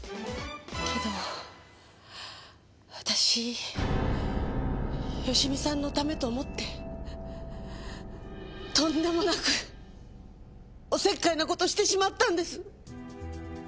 けど私芳美さんのためと思ってとんでもなくお節介な事をしてしまったんです。